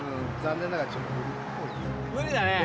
無理だね。